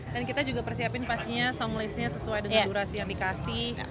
dan kita juga persiapin pastinya songlistnya sesuai dengan durasi yang dikasih